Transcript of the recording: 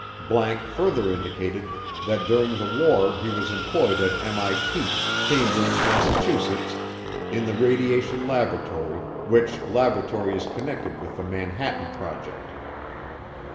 ____ further indicated that during the war he was employed at MIT, Cambridge, Massachusetts, in the Radiation Laboratory which Laboratory is connected with the Manhattan Project.